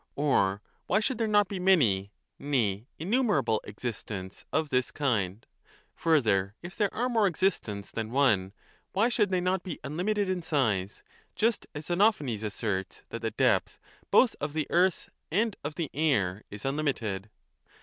Or why should there not be many, nay innumerable, existents of this kind ? Further, if there are more existents than one, why should they not be unlimited in size, just as Xenophanes asserts that the depth both of the earth and of the air is unlimited